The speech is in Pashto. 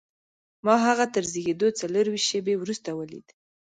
ما هغه تر زېږېدو څلرویشت شېبې وروسته ولید